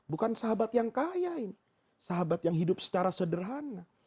bukan sahabat yang kaya ini sahabat yang hidup secara sederhana